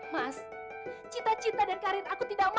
mas cita cita dan karir aku tidak mau